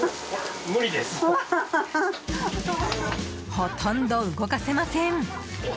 ほとんど動かせません。